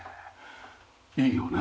いいよね。